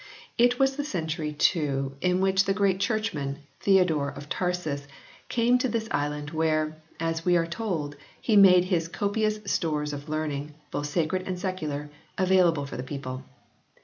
It was the century, too, in which the great churchman, Theo dore of Tarsus, came to this island where, as we are told, he made his copious stores of learning, both sacred and secular, available for the people.